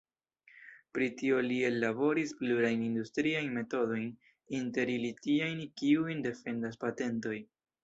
Pri tio li ellaboris plurajn industriajn metodojn, inter ili tiajn, kiujn defendas patentoj.